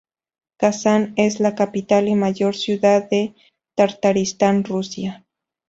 Kazán es la capital y mayor ciudad de Tartaristán, Rusia.